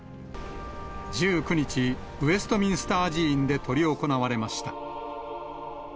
１９日、ウェストミンスター寺院で執り行われました。